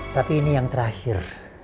tapi ini yang terakhir